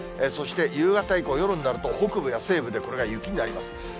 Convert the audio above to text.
そして夕方以降、夜になると、北部や西部で、これが雪になります。